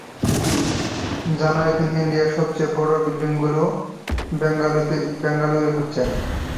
জানো, এখন ইন্ডিয়ার সবচেয়ে বড় বিল্ডিংগুলো ব্যাঙ্গালোরেই হচ্ছে।